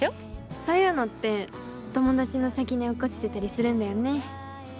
そういうのって友達の先に落っこちてたりするんだよね。